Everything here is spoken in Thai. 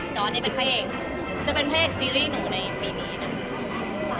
ออสนี่เป็นพระเอกจะเป็นพระเอกซีรีส์หนูในปีนี้นะ